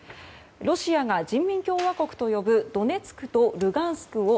ロシアが人民共和国と呼ぶドネツクとルガンスクを